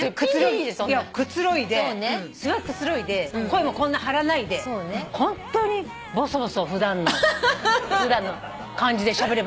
くつろいですごいくつろいで声もこんな張らないで本当にぼそぼそ普段の感じでしゃべればいいのかな。